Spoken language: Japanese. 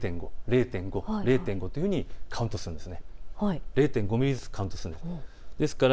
０．５、０．５、０．５というふうにカウントするんです。